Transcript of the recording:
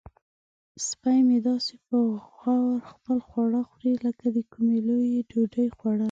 سپی مې داسې په غور خپل خواړه خوري لکه د کومې لویې ډوډۍ خوړل.